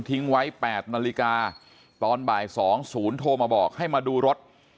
ทิ้งไว้๘นาฬิกาตอนบ่าย๒ศูนย์โทรมาบอกให้มาดูรถ